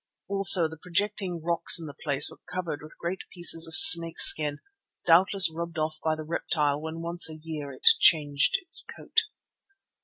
Also the projecting rocks in the place were covered with great pieces of snake skin, doubtless rubbed off by the reptile when once a year it changed its coat.